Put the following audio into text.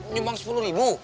nyumbang sepuluh ribu